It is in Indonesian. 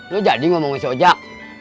lo jadi ngomongin si ojak